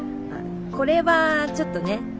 あっこれはちょっとね。